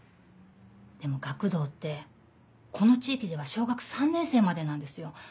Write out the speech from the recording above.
でも学童ってこの地域では小学３年生までなんですよ。